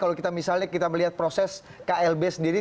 kalau kita melihat proses klb sendiri